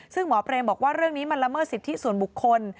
ซึ่งหมอเปรมบอกว่าเรื่องนี้มันละเมิดสิทธิส่วนบุคคล